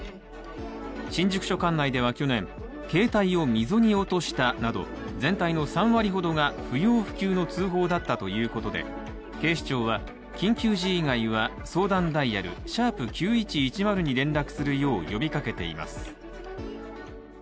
新宿署管内では去年、携帯を溝に落としたなど全体の３割ほどが不要不急の通報だったということで警視庁は緊急時以外は相談ダイヤル「♯９１１０」に連絡するよう呼びかけています。